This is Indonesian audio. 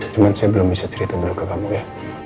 cuma saya belum bisa cerita baru ke kamu ya